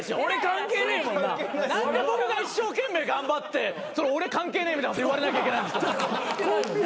何で僕が一生懸命頑張ってそれ俺関係ねえみたいなこと言われなきゃいけないんですか。